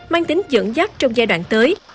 mang tính dẫn dắt trong giai đoạn tới